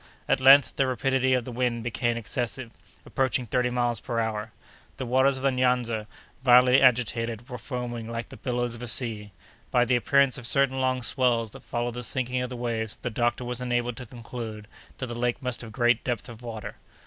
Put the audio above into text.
At length, the rapidity of the wind became excessive, approaching thirty miles per hour. The waters of the Nyanza, violently agitated, were foaming like the billows of a sea. By the appearance of certain long swells that followed the sinking of the waves, the doctor was enabled to conclude that the lake must have great depth of water.